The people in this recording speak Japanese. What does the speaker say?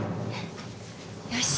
よし。